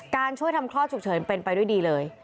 ช่วยทำคลอดฉุกเฉินเป็นไปด้วยดีเลย